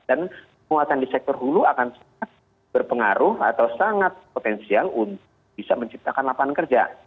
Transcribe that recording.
dan kekuatan di sektor hulu akan sangat berpengaruh atau sangat potensial untuk bisa menciptakan lapangan kerja